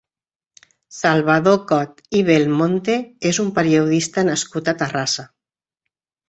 Salvador Cot i Belmonte és un periodista nascut a Terrassa.